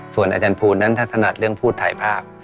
ส่วนอาจารย์ภูลนั้นถ้าถนัดเรื่องพูดถ่ายภาพ